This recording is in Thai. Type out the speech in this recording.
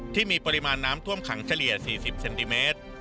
ที่มีปริมาณน้ำท่วมขังเฉลี่ย๔๐เซนติเมตร